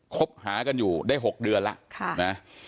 คบหากันอยู่ได้๖เดือนแล้วนะ